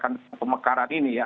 bagaimana pemekaran ini terjadi